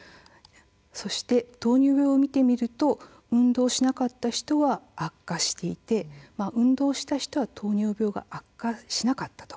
そして糖尿病を見てみると運動しなかった人は悪化していて運動した人は糖尿病が悪化しなかった。